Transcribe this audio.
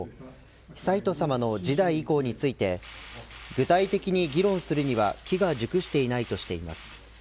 悠仁さまの次代以降について具体的に議論するには機が熟していないとしています。